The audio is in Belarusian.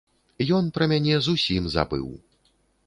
Ён пра мяне зусім забыў.